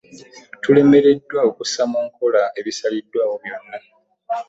Tulemereddwa okussa mu nkola ebisaliddwaawo byonna.